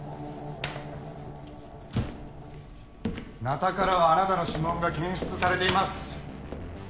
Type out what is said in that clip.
ナタからはあなたの指紋が検出されています。